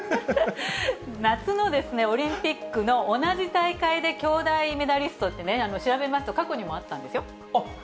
夏のオリンピックの同じ大会で兄妹メダリストって、調べますと、過去にもあったんですよ。